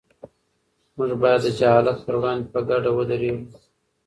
موږ باید د جهالت پر وړاندې په ګډه ودرېږو.